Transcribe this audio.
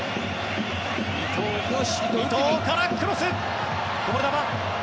伊藤からクロス！